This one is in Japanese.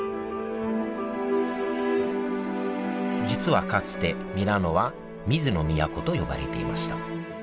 実はかつてミラノは「水の都」と呼ばれていました。